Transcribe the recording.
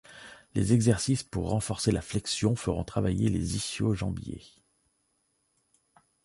Les exercices pour renforcer la flexion feront travailler les ischio-jambiers.